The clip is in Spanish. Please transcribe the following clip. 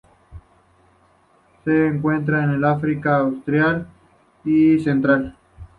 Se encuentra en el África Austral y central.